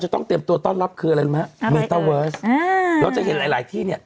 จะต้องเตรียมตัวต้อนรับคืออะไรเราจะเห็นหลายหลายที่เนี่ย